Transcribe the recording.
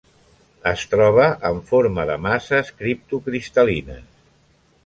Es troba en forma de masses criptocristal·lines.